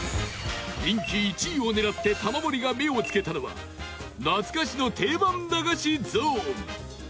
人気１位を狙って玉森が目をつけたのは懐かしの定番駄菓子ゾーン